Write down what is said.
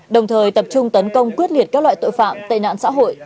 đồng thời tập trung tấn công quyết liệt các loại tội phạm tệ nạn xã hội